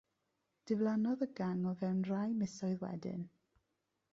Diflannodd y gang o fewn rhai misoedd wedyn.